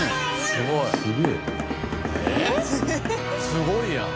すごいやん。